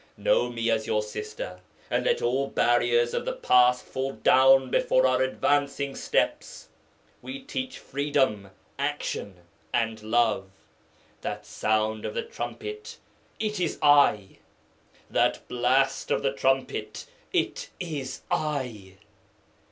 Know me as your sister, and let all barriers of the past fall down before our advancing steps. We teach freedom, action, and love. That sound of the trumpet, it is I! That blast of the trumpet, it is I!